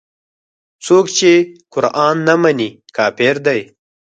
څوک چې قران نه مني کافر دی.